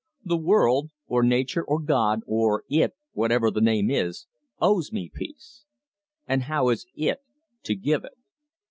The World, or Nature, or God, or It, whatever the name is, owes me peace. And how is It to give it?